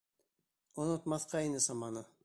Онотмаҫҡа ине саманы